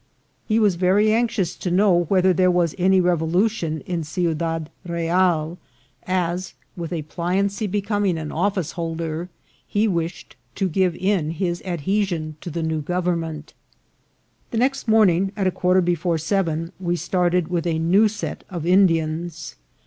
He was very anxious to know whether there was any revolution in Ciudad Real, as, with a pliancy becoming an office holder, he wished to give in his ad hesion to the new government. The next morning, at a quarter before seven, we started with a new set of Indians.